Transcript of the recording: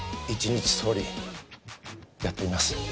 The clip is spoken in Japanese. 一日総理やってみます。